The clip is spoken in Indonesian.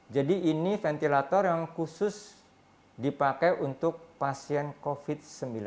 jadi ini ventilator yang khusus dipakai untuk pasien covid sembilan belas